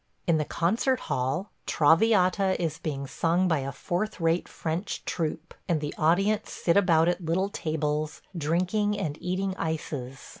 In the concert hall, "Traviata" is being sung by a fourth rate French troupe, and the audience sit about at little tables, drinking, and eating ices.